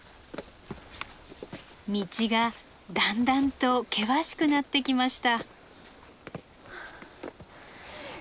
道がだんだんと険しくなってきました。